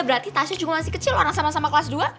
iya berarti tasha juga masih kecil loh orang sama sama kelas dua